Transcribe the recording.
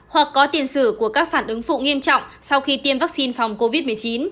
hoặc có tiền sử của các phản ứng phụ nghiêm trọng sau khi tiêm vaccine phòng covid một mươi chín